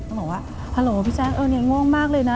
ต้องบอกว่าฮัลโหลพี่แจ๊กนี่ง่วงมากเลยนะ